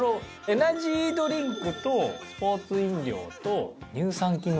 エナジードリンクとスポーツ飲料と乳酸菌の原液だ。